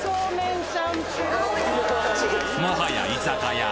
もはや居酒屋！